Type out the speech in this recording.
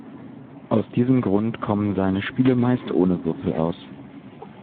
Aus diesem Grund kommen seine Spiele meist ohne Würfel aus.